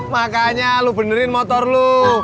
makanya lu benerin motor lo